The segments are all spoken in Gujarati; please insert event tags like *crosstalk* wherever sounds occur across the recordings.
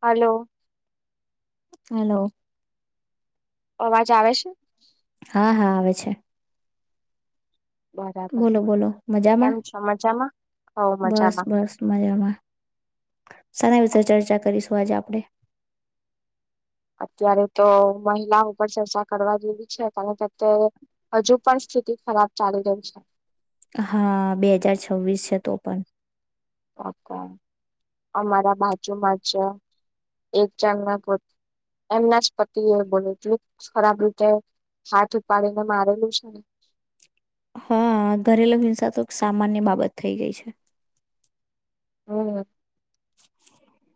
હલો. હલો. અવાજ આવે છે? હા હા આવે છે બરાબર બોલો બોલો કેમ મજામાં છો મજામાં હો બસ મજામાં બસ મજામાં સને વિશે ચર્ચા કરીશું. જ આપણેે. અત્યારે તો મહિલા ઉપર ચર્ચા કરવા જેઈવી છે કારણ કે અત્યારે હજુ પણ સ્થિતિ ખરાબ ચાલી રહી છે. હા બે હજાર છવ્વીસ છે તો પણ. અમારા બાજુમાં જ એક ચંગના પો એમના જ પતિ એ બોલ એટલું ખરાબ રીતે હાથ ઉપાડીને મારેલું છે. હા ઘરેલુ હિંસા તો સામાન્ય બાબત થઈ ગઈ છે. હમ.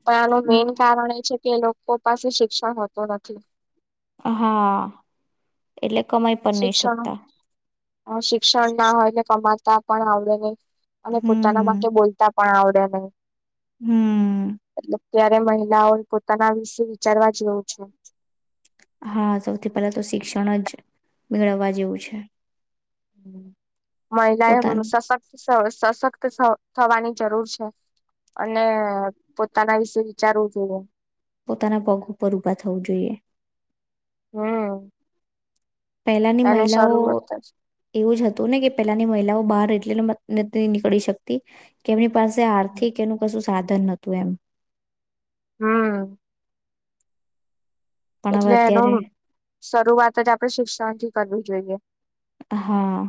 પણ આનું હમ, મેન કારણ એ છે કે લોક પોપાસી શિક્ષણ હોતો નથી. હા. એટલે કમાઈ પણ નહી શિક્ષણ શકતા શિક્ષણ ના હોયને કમા તા પણ આવડે નઈ. અને હમ પોતાના હમ માટે બોલતા. પણ આવડે નઈ. હમ. ત્યારે મહિલાઓ પોતાના વિશે વિચારવા જેવું છે. હા સૌથી પહેલા તો શિક્ષણ જ મેળવવા જેવું છે. હમ. મહિલાએ પોતાનું સશક્ત. સશક્ત થવાની જરૂર છે અને પોતાના વિશે વિચારવું જોઈએ. પોતાના પગ ઉપર ઊભા થવું જોઈએ. હમ. પહેલાની એને મહિલાઓ શરૂઆત જ એવું જ હતું ને કે પેલાની મહિલાઓ બાર *unintelligible* કરી સકતી કે એમની પાસે આર્થિક એનું કશું સાધન નતું એમ. હમ. પણ હવે એટલે એનું અત્યારે શરૂઆત જ આપડે શિક્ષણથી કરવી જોઈએ. હા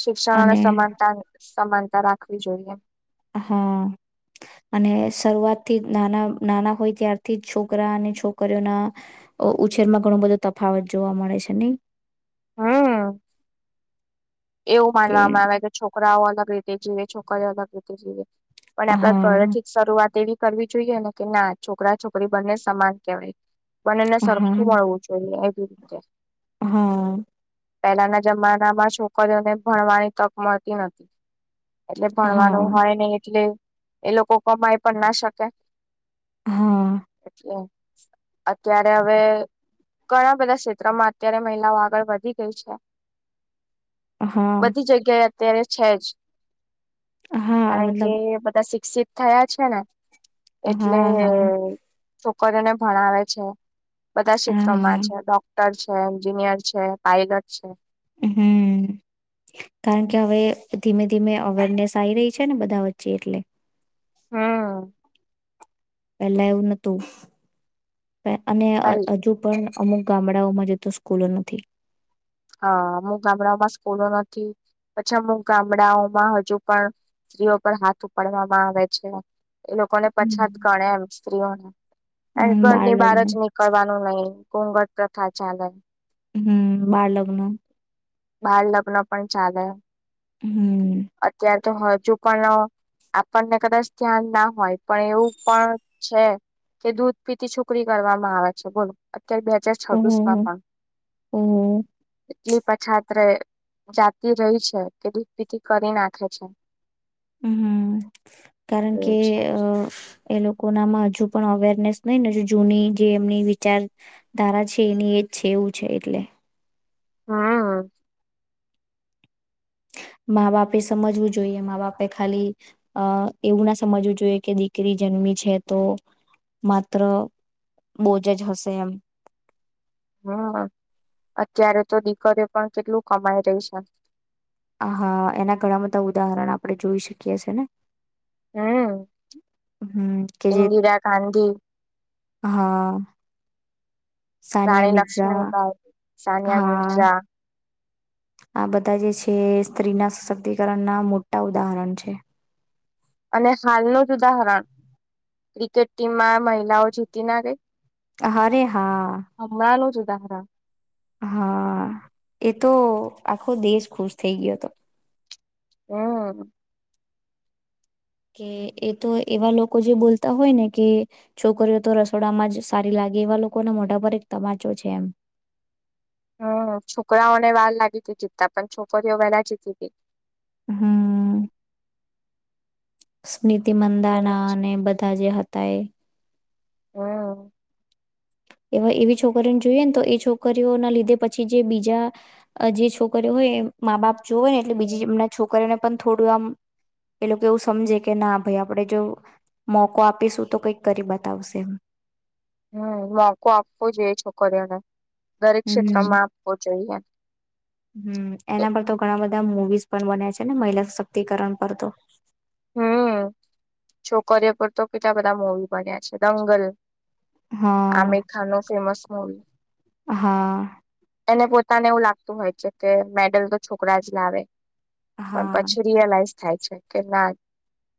શિક્ષણ અને સમાનતા સમાનતા રાખવી જોઈએ. હા અને શરૂઆતથી જ નાના નાના હોય ત્યારથી છોકરા અને છોકરીઓના ઉછેરમાં ઘણું બધું તફાવત જોવા મળે છે નઈ. હમ. એવું કે માનવામાં આવે કે છોકરાઓ અલગ રીતે જીવે છોકરીઓ રીતે જીવે. પણ આપડા ઘરે હા થી જ શરૂઆત એવી કરવી જોઈએ ને કે ના છોકરા છોકરી બંને સમાન કેહેવાય. બંને ને હા સરખું મળવું જોઈએ. *inaudible* હા. પહેલાના જમાના માં છો કર્યોને ભણવાની તક મળતી નથી એટલે હા ભણવાનું હોય ને એટલે એ લોકો કમાઈ પણ ના શકે હા અચછા *inaudible* અત્યારે હવે ઘણા બધા ક્ષેત્રોમાં અત્યારે મહિલાઓ આગળ વધી ગઈ છે હા બધી જગ્યાએ અત્યારે છે જ હા કારણ કે મતલબ બધા શિક્ષિત થયા છે ને એટલે હા હા પર એને ભણાવે છે બધા ક્ષેત્રોમાં હા છે ડોક્ટર છે છે એન્જિનિયર છે પાઇલટ છે હમ કારણ કે હવે ધીમે ધીમે અવેરનેસ આવી રહી છે ને બધા વચ્ચે એટલે હા પહેલા એવું નહોતું અને હ હજુ પણ અમુક ગામડાઓમાં જતો સ્કૂલો નથી હા અમુક ગામડાઓમાં સ્કૂલો નથી પછી અમુક ગામડાઓમાં હજુ પણ સ્ત્રીઓ પર હાથ ઉપાડવામાં આવે છે એ લોકોને પછાત હમ ગણે એમ સ્ત્રીઓને એ હમ બાળ ઘરની બહાર જ લગ્ન નીકળવાનું નહી ધુધંટ પ્રથા ચાલે હમ બાળ લગ્ન બાળ લગ્ન પણ ચાલે હમ અત્યારે તો હજુ પણ આપણને કદાચ ધ્યાન ના હોય પણ એવું પણ છે કે દૂધ પીતી છોકરી કરવામાં આવે છે બોલ અત્યારે બે હાજાર છવ્વીસ માં ઓહ પણ ઓહ એટલી પછાતરે જાતિ રહી છે એ દુધ પિતી કરી નાખે છે હમમ કારણ એવું કે છે અ એ લોકો નામાં હજુ પણ અવેરનેસ નહી ને જો જૂની જે એમની વિચારધારા છે એની એજ છે એવું છે એટલે હા મા બાપ સમજવું જોઈએ મા બાપ એ ખાલી અ એવું ના સમજવું જોઈએ કે દીકરી જન્મી છે તો માત્ર બોજ જ હશે એમ હમ અત્યારે તો દીકરીઓ પણ કેટલું કમાઈ રહી છે હા એના ઘણા બધા ઉદાહરણ આપણે જોઈ શકીએ છે ને હમ હમ કે જે ઇન્દિરા ગાંધી હા સાનિયા રાણી મિર્ઝા લક્ષ્મીબાઈ સાનિયા હા મિર્ઝા આ બધા જે છે. સ્ત્રીના શક્તિકરણના મોટા ઉદાહરણ છે. અને હાલનું જ ઉદાહરણ ક્રિકેટ ટીમમાં મહિલાઓ જીતી ના ગઈ હારે હા *unintelligible* હા એ તો આખો દેશ ખુશ થઈ ગયો તો હમ કે એ તો એવા લોકો જે બોલતા હોય ને કે છોકરીઓ તો રસોડામાં જ સારી લાગે એવા લોકોને મોઢા પર એક તમાચો છે એમ હમ છોકરાઓને વાર લાગી હતી જીતતા પણ છોકરીઓ વેલા જીતી ગઈ હમ નીતિ એવું મંદાના છે અને બધા જે હતા એ હમ એવા એવી છોકરીઓને જોઈએ ને તો એ છોકરીઓના લીધે પછી જે બીજા જે છોકરીઓ હોય એ મા બાપ જોવે ને એટલે બીજી હમ એમના છોકરીઓને પણ થોડું આમ એ લોકો એવું સમજે કે ના ભઈ આપણે જો મોકો આપીશું તો કઈક કરી બતાવશે એમ હમ મોકો આપવો જોઈએ છોકરીઓને દરેક ક્ષેત્રમાં આપવો જોઈએ. હમ એના પર તો ઘણા બધા મુવીઝ પણ બનયા છે ને મહિલા શક્તિકરણ પર તો હમ છોકરીઓ પર તો કેટલા બધા મુવી બન્યા છે દંગલ આમીર હા ખાનો ફેમસ *inaudible* હા એને પોતાને એવું લાગતું હોય છે. પણ હા પછી રિયલાઈઝ થાય. છે કે ના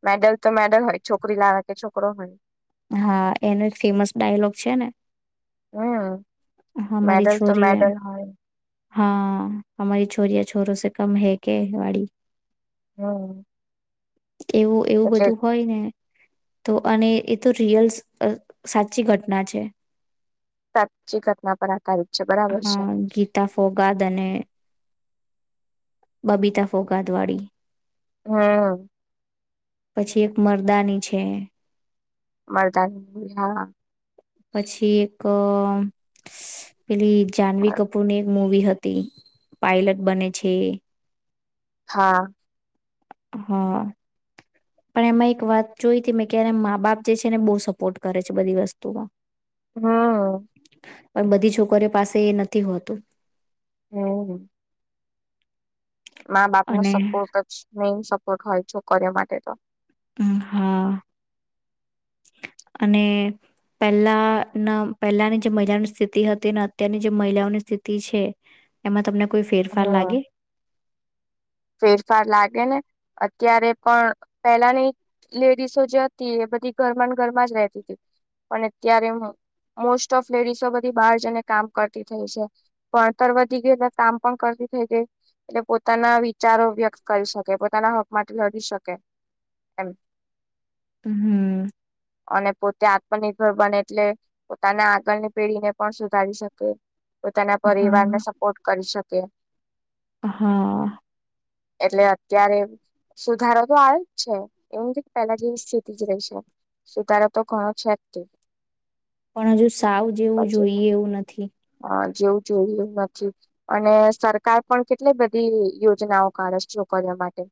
મેડલ તો મેડલ હોય છોકરી લાવે કે છોકરો હોય. હા એનું એક ફેમસ ડાયલોગ છે ને હમ હમારી મેડલ તો છોરી હે મેડલ હોય. હા હમારી છોરીયા છોરોસે કમ હૈ કે વાડી હમ એવું એવું એટલે બધું હોય ને તો અને એ તો રિયલ સાચી ઘટના છે. સાચી ઘટના પર આધારિત છે બરાબર છે હા ગીતા ફોગાદ અને બબીતા ફોગાદવાડી હા પછી એક મરદાની છે. મરદાની હા પછી એક પેલી જાનવીકપૂરની મૂવી હતી પાયલટ બને છે. હા. હા પણ એમાં એક વાત જોઈ હતી મેં ક્યારે મા બાપ જે છે ને બહુ સપોર્ટ કરે છે બધી વસ્તુમાં. હા. પણ બધી છોકરીઓ પાસે એ નથી હોતું. હમ. મા બાપ નો અને સપોર્ટ જ મેઈન સપોર્ટ હોય. કર માટે તો. મ હા અને પેલા ના પેલાની જે મહિલાઓની સ્થિતિ હતી ને અત્યારની જે મહિલાઓની સ્થિતિ છે એમાં તમને કોઈ ફેરફાર લાગે? હમ ફેરફાર લાગે ને અત્યારે પણ પેલાની લેડીસો જે હતી એ બધી ઘરમાં ઘરમાં જ રતી હતી પણ અત્યારે મોસ્ટ ઓફ લેડીસો બધી બહાર જને કામ કરતી થઈ છે ભણતર વધી ગયેલા કામ પણ કરતી થઈ ગઈ એટલે પોતાના વી ચારો વ્યક્ત કરી શકે પોતાના હક માટે લડી શકે એમ હમ અને પોતે આત્મનિર્ભર બને એટલે પોતાના આગળની પેઢીને પણ સુધારી શકે. તો તેના પરિવાર ને હા સપોર્ટ. કરી શકે. હા. એટલે અત્યારે સુધારો તો આવે જ છે એવું નથી કે પહેલા જેવી સ્થિતિ જ રહી છે સુધારો તો ઘણો છે જ ત. પણ હજુ સાવ જેવું જોઈએ એવું નથી. અ જેવું જોયું નથી અને સરકાર પણ કેટલી બધી યોજનાઓ કાઢે છે છોકરીઓ માટે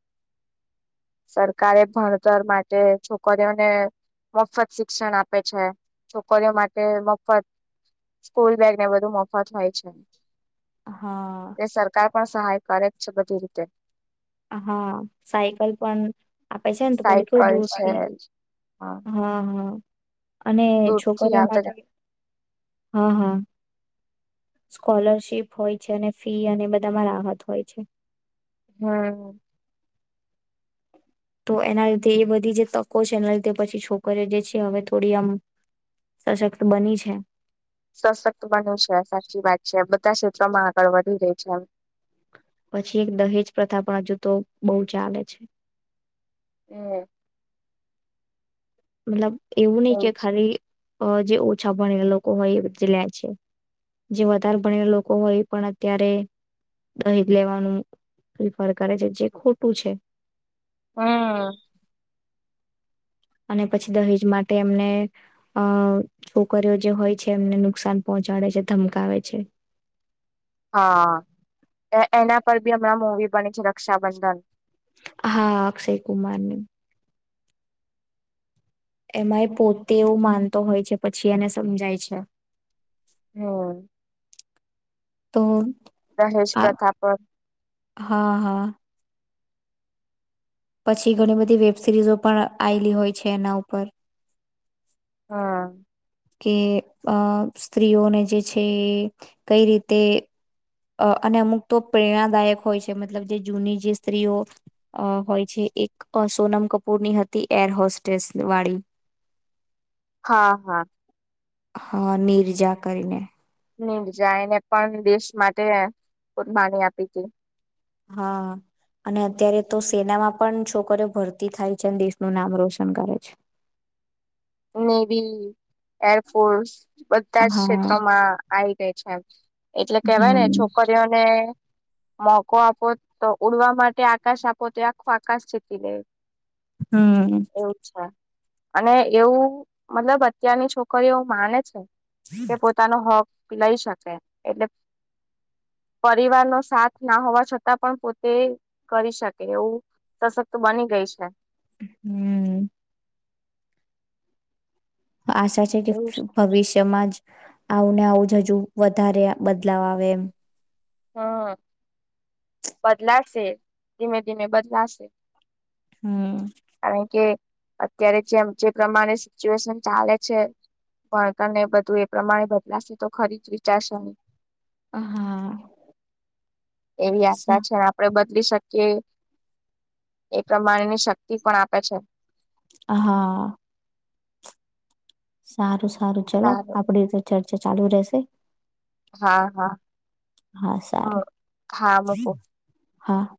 સરકારે ભણતર માટે છોકરીઓને મફત શિક્ષણ આપે છે છોકરીઓ માટે મફત સ્કૂલ બેગ. ને બધુ મોફા થાય છે. હા. એ સરકાર પણ સહાયકારક છે બધી રીતે. હા સાયકલ પણ આપે છે ને તો પેલું કેવું સાયકલ છે દુંરથી હા હા અને દૂરથી છોકરીઓ આવતા માટે હા હા સ્કોલરશિપ હોય છે ને ફી અને બધામાં રાહત હોય છે. હા. તો એના લીધે એ બધી જે તકો છે એના લીધે પછી છોકરી જે છે હવે થોડી આમ સશક્ત બની છે. તા ક્ષેત્રોમાં આગળ વધી રહી છે એમ. પછી એક દહેજ પ્રથા પણ હજુ તો બહુ ચાલે છે. હમ. મતલબ. એવું નઈ કે ખાલી જે ઓછા ભણેલા લોકો હોય એ લે છે જે વધારે ભણેલા લોકો હોય એ પણ અત્યારે દહીજ લેવાનું પ્રિફર કરે છે જે ખોટું છે. હમ. અને પછી દહેજ માટે એમને અ છોકરીઓ જે હોય છે એમને નુકસાન પહોંચાડે છે ધમકાવે છે. હા. એના પર બી હમણાં મૂવી બની છે રક્ષાબંધન. હા અક્ષય કુમારની. એમાં એ પોતે એવું માનતો હોય છે પછી એને સમજાય છે. હમ્મ તો દહેશ આ પ્રથા પર હા હા પછી ઘણી બધી વેબ સિરીઝો પણ આવેલી હોય છે એના ઉપર હા કે અ સ્ત્રીઓને જે છે કઈ રીતે અ અને અમુક તો પ્રેરણાદાયક હોય છે મતલબ જે જૂની જે સ્ત્રીઓ અ હોય છે એક સોનમ કપૂરની હતી એર હોસ્ટેસ વાળી હા હા હા નીર્જા કરીને નીરજાયે ને પણ દેશ માટે કરબાની આપી હતી હા અને અત્યારે તો સેનામાં પણ છોકરીઓ ભરતી થાય છે અને દેશનું નામ રોશન કરે છે નેવી એરફોર્સ બધા જ હા ક્ષેત્રોમાં આવી રે છે *inaudible* એટલે કેવાય ને હમ છોકરીઓને મોકો આપો તો ઉડવા માટે આકાશ આપો તો આખો આકાશ જીતી લે હમ્મ એવું છે અને એવું મતલબ અત્યારની છોકરીઓ માને છે કે પોતાનો હક લઈ શકે એટલે પરિવાર નો સાથ ના હોવા છતાં પણ પોતે કરી શકે એવું સશક્ત બની ગઈ છે હમ્મ. આશા છે કે ભવિષ્યમાં જ આવું ને આવું જ હજુ વધારે બદલાવ આવે એમ હ બદલાશે ધીમે ધીમે બદલાશે. હમ્મ. કારણ કે અત્યારે જેમ જે પ્રમાણે સિચ્યુએશન ચાલે છે, ભણકર ને બધું એ પ્રમાણે બદલાશે તો ખરી જ વિચારશે નહી. હા. એવી આશા છે આપડે બધ લી શકી એ પ્રમાણેની શક્તિ પણ આપે છે. હા. સારું સારું ચલો આપડી તો ચર્ચા ચાલુ રહેશે. હા-હા. હા સારું હા-હા. હા.